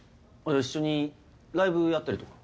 一緒にライブやったりとか？